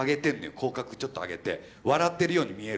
口角ちょっと上げて笑ってるように見える。